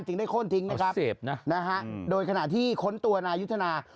จึงได้โค้นทิ้งนะครับเอาเสพนะนะฮะโดยขณะที่คนตัวนายุทธนา